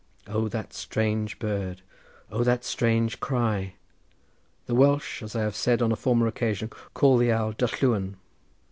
O that strange bird! O that strange cry! The Welsh as I have said on a former occasion call the owl Dylluan.